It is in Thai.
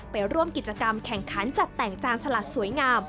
ไปร่วมกิจกรรมแข่งขันจัดแต่งจานสลัดสวยงาม